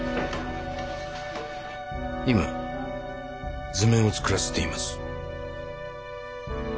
今図面を作らせています。